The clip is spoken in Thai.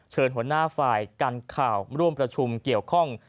หัวหน้าฝ่ายกันข่าวร่วมประชุมเกี่ยวข้อง